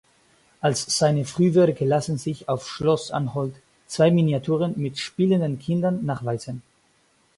Als seine Frühwerke lassen sich auf Schloss Anholt zwei Miniaturen mit spielenden Kindern nachweisen.